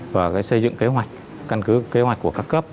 và xây dựng kế hoạch căn cứ kế hoạch của các cấp